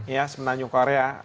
ya sebenarnya di korea